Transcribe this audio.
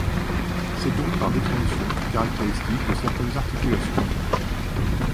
C'est donc par définition une caractéristique de certaines articulations.